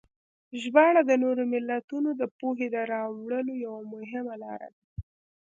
ژباړه د نورو ملتونو د پوهې د راوړلو یوه مهمه لاره ده.